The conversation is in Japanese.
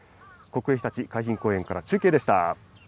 国営ひたち海浜公園から中継でした。